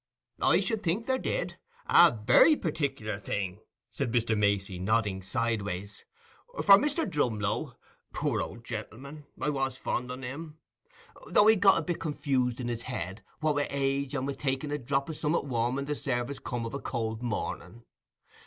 "I should think there did—a very partic'lar thing," said Mr. Macey, nodding sideways. "For Mr. Drumlow—poor old gentleman, I was fond on him, though he'd got a bit confused in his head, what wi' age and wi' taking a drop o' summat warm when the service come of a cold morning.